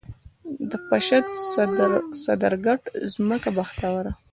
د پشد، صدرګټ ځمکه بختوره